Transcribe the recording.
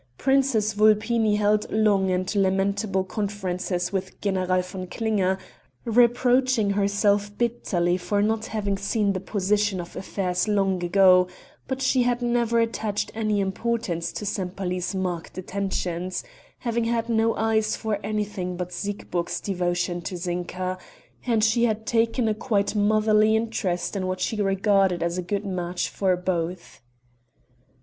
Princess Vulpini held long and lamentable conferences with General von Klinger reproaching herself bitterly for not having seen the position of affairs long ago but she had never attached any importance to Sempaly's marked attentions, having had no eyes for anything but Siegburg's devotion to Zinka, and she had taken a quite motherly interest in what she regarded as a good match for both.